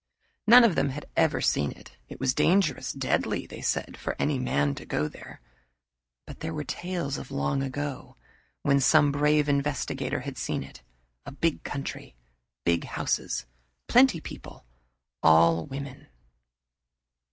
None of them had ever seen it. It was dangerous, deadly, they said, for any man to go there. But there were tales of long ago, when some brave investigator had seen it a Big Country, Big Houses, Plenty People All Women.